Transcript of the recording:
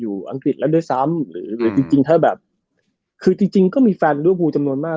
อยู่อังกฤษแล้วด้วยซ้ำหรือจริงก็มีแฟนด้วยพูดจำนวนมาก